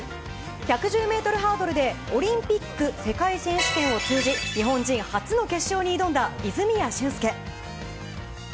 １１０ｍハードルでオリンピック、世界選手権を通じ日本人初の決勝に挑んだ泉谷駿介。